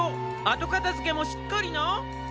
あとかたづけもしっかりな。